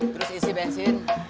terus isi bensin